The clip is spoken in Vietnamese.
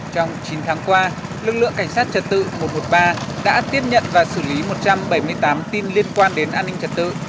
trong chín tháng qua lực lượng cảnh sát trật tự mùa một ba đã tiết nhận và xử lý một trăm bảy mươi tám tin liên quan đến an ninh trật tự